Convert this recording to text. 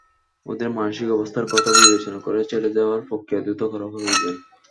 ওদের মানসিক অবস্থার কথা বিবেচনা করে ছেড়ে দেওয়ার প্রক্রিয়া দ্রুত করা প্রয়োজন।